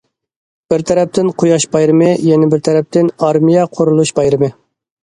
بىر تەرەپتىن« قۇياش بايرىمى»، يەنە بىر تەرەپتىن« ئارمىيە قۇرۇلۇش بايرىمى».